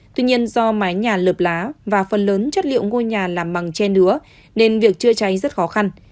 tuy nhiên do mái nhà lợp lá và phần lớn chất liệu ngôi nhà làm bằng tre nứa nên việc chữa cháy rất khó khăn